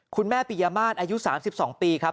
คุณแม่ปิยมาตรอายุ๓๒ปีครับ